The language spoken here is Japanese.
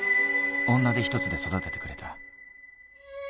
女手一つで育ててくれた。